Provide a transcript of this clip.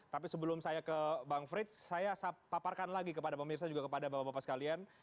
tapi sebelum saya ke bang frits saya paparkan lagi kepada pemirsa juga kepada bapak bapak sekalian